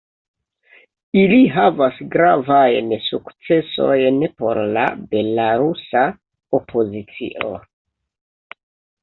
Ili havas gravajn sukcesojn por la belarusa opozicio.